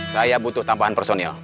saya butuh tambahan personil